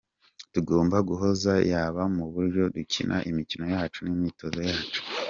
Tugomba guhozaho yaba mu buryo dukina imikino yacu, n’imyitozo yacu.